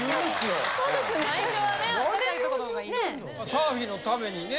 サーフィンのためにね